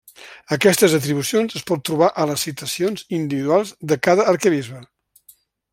Aquestes atribucions es pot trobar a les citacions individuals de cada arquebisbe.